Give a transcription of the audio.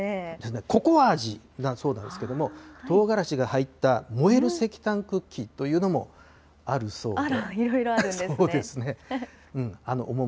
ココア味だそうなんですけれども、とうがらしが入った燃える石炭クッキーというのもあるそうで。